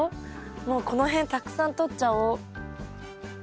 もうこの辺たくさんとっちゃおう。